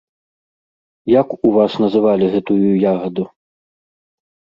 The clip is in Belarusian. Як у вас называлі гэтую ягаду?